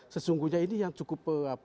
sesungguhnya ini yang cukup